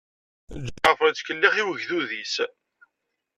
Ǧaɛfeṛ yettkellix i wegdud-is.